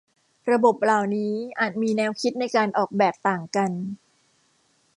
ระบบเหล่านี้อาจมีแนวคิดในการออกแบบต่างกัน